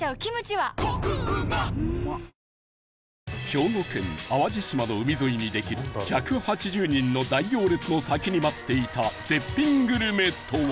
兵庫県淡路島の海沿いにできる１８０人の大行列の先に待っていた絶品グルメとは？